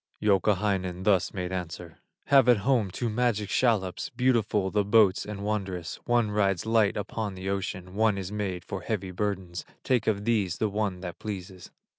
Youkahainen thus made answer: "Have at home two magic shallops, Beautiful the boats and wondrous; One rides light upon the ocean, One is made for heavy burdens; Take of these the one that pleases."